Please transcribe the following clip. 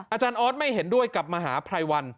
อาจารย์ออสไม่เห็นด้วยกับมหาภัยวัน